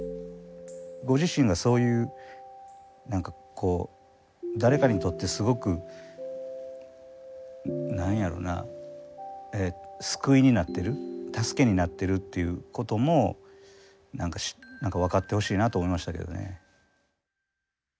ご自身がそういう何かこう誰かにとってすごく何やろな救いになってる助けになってるっていうことも何か分かってほしいなと思いましたけどね。